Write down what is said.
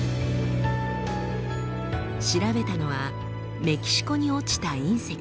調べたのはメキシコに落ちた隕石。